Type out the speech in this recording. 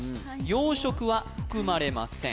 養殖は含まれません